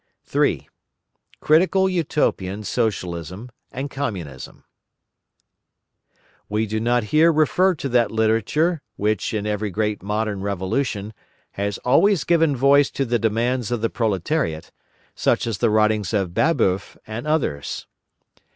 3. CRITICAL UTOPIAN SOCIALISM AND COMMUNISM We do not here refer to that literature which, in every great modern revolution, has always given voice to the demands of the proletariat, such as the writings of Babeuf and others.